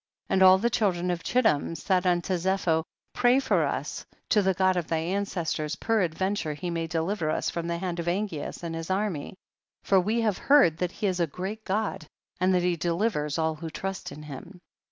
22. And all the children of Chit tim said unto Zepho, pray for us to the God of thy ancestors, peradven ture he may deliver us from the hand of Angeas and his army, for we have heard that he is a great God and that he delivers all who trust in him.